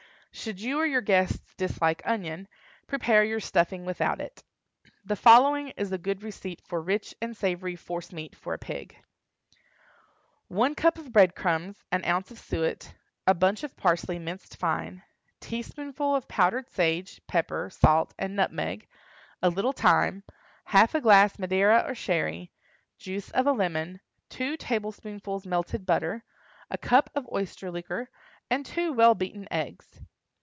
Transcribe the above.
Should you or your guests dislike onion, prepare your stuffing without it. The following is a good receipt for rich and savory force meat for a pig:— One cup of bread crumbs, an ounce of suet, a bunch of parsley minced fine, teaspoonful of powdered sage, pepper, salt, and nutmeg, a little thyme, half a glass Madeira or Sherry, juice of a lemon, two tablespoonfuls melted butter, a cup of oyster liquor, and two well beaten eggs.